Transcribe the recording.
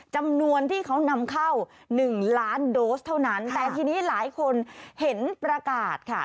จำนวนที่เขานำเข้าหนึ่งล้านโดสเท่านั้นแต่ทีนี้หลายคนเห็นประกาศค่ะ